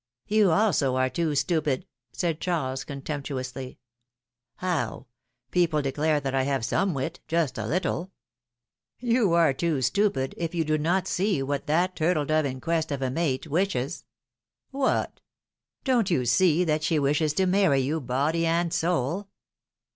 You, also, are too stupid !" said Charles, contempt uously. ^^How? People declare that I have some wit — just a little.'^ You are too stupid, if you do not see what that turtle dove in quest of a mate wishes.^^ ^AVhat?^^ Don't you see that she wishes to marry you, body and soul